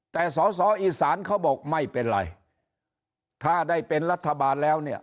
แต่สอสออีสานเขาบอกไม่เป็นไรถ้าได้เป็นรัฐบาลแล้วเนี่ย